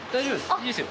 いいですよ。